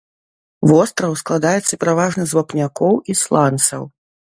Востраў складаецца пераважна з вапнякоў і сланцаў.